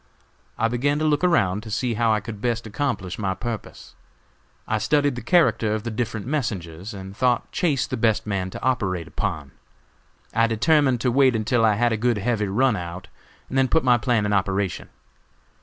I began to look around to see how I could best accomplish my purpose. I studied the character of the different messengers, and thought Chase the best man to operate upon. I determined to wait until I had a good heavy run out, and then put my plan in operation.